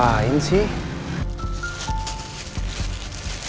mas ini dia